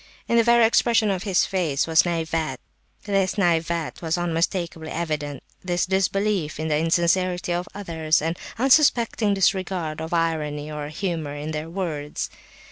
In the very expression of his face this naivete was unmistakably evident, this disbelief in the insincerity of others, and unsuspecting disregard of irony or humour in their words.